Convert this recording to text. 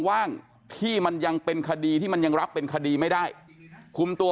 ว่างที่มันยังเป็นคดีที่มันยังรับเป็นคดีไม่ได้คุมตัว